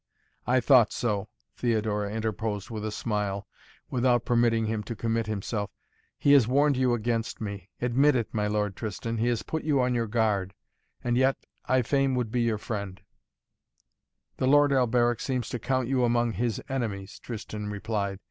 "I thought so!" Theodora interposed with a smile, without permitting him to commit himself. "He has warned you against me. Admit it, my Lord Tristan. He has put you on your guard. And yet I fain would be your friend " "The Lord Alberic seems to count you among his enemies," Tristan replied.